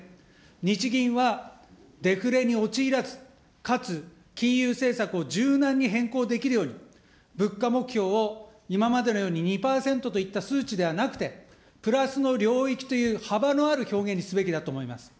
日銀はデフレに陥らず、かつ金融政策を柔軟に変更できるように、物価目標を今までのように２％といった数値ではなくて、プラスの領域という幅のある表現にすべきだと思います。